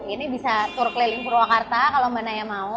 ini bisa tur keliling purwakarta kalau mbak naya mau